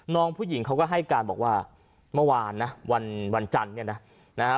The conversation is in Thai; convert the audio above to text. น้องผู้หญิงเขาก็ให้การบอกว่าเมื่อวานนะวันจันทร์เนี่ยนะนะฮะ